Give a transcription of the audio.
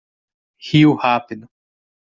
Rio rápido